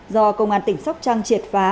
do công an tỉnh sóc trăng triệt phá